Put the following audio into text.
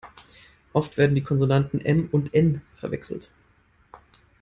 Oft werden die Konsonanten M und N verwechselt.